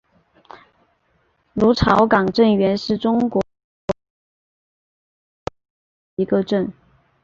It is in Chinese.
芦潮港镇原是中国上海市浦东新区下辖的一个镇。